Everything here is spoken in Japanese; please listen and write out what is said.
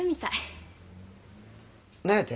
何やて？